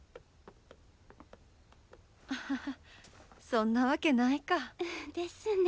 アハハそんなわけないか。ですね。